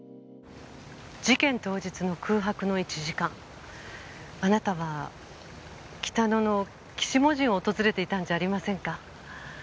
事件当日の空白の１時間あなたは北野の鬼子母神を訪れていたんじゃありませんか？